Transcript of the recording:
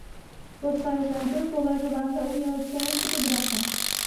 Posléze byl považován za uměleckého fotografa.